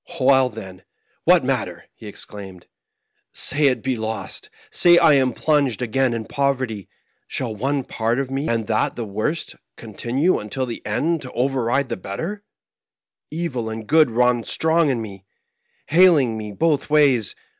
"Well, then, what matter ?" he exclaimed. *5 Say it be lost, say I am plunged again in poverty: shall one part of me, and that the worst, continue until the end to override the better} Evil and good run strong in me, haling me both ways.